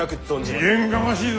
未練がましいぞ。